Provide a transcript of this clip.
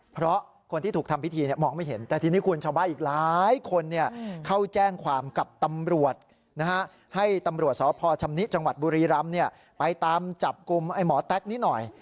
พอชำนิจังหวัดบุรีรำเนี่ยไปตามจับกลุ่มหมอแต๊กนิดหน่อย